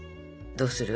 どうする？